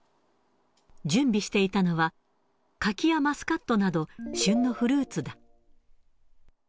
準備していたのは、柿やマスカットなど、旬のフルーツだ。